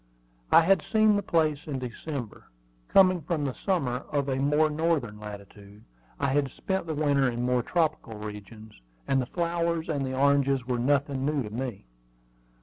I had seen the place in December, coming from the summer of a more northern latitude. I had spent the winter in more tropical regions, and the flowers and the oranges were nothing new to me.